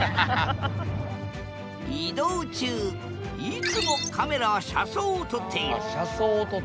移動中いつもカメラは車窓を撮っているあっ